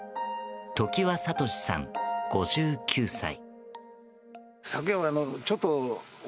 常盤智さん、５９歳。